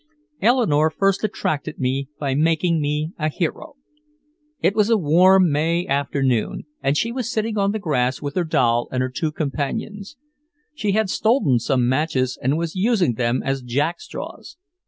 Eleanore first attracted me by making me a hero. It was a warm May afternoon and she was sitting on the grass with her doll and her two companions. Sue had stolen some matches and was using them as Jackstraws.